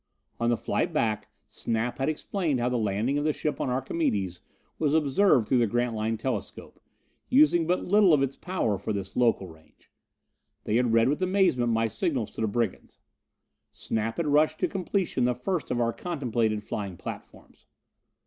On the flight back Snap had explained how the landing of the ship on Archimedes was observed through the Grantline telescope, using but little of its power for this local range. They had read with amazement my signals to the brigands. Snap had rushed to completion the first of our contemplated flying platforms.